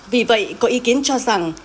vì vậy có ý kiến cho rằng